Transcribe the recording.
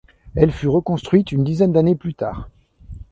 Elle fut reconstruite une dizaine d'années plus tard.